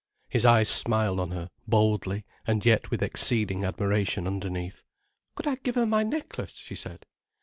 His eyes smiled on her, boldly, and yet with exceeding admiration underneath. "Could I give her my necklace?" she said.